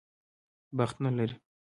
بخت نه لري.